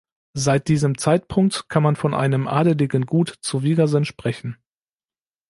Seit diesem Zeitpunkt kann man von einem adeligen Gut zu Wiegersen sprechen.